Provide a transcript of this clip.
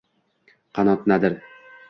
Qanot nadir —